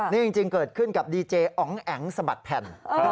นี่จริงเกิดขึ้นกับดีเจอ๋องแอ๋งสะบัดแผ่น